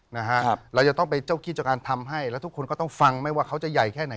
นะครับเราจะต้องไปเจ้าคิดจากการทำให้แล้วทุกคนก็ต้องฟังไม่ว่าเขาจะใหญ่แค่ไหน